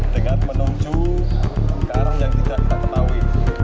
dengan menuju ke arah yang tidak kita ketahui